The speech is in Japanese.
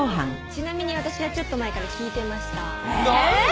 ちなみに私はちょっと前から聞いてました。